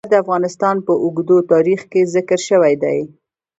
لوگر د افغانستان په اوږده تاریخ کې ذکر شوی دی.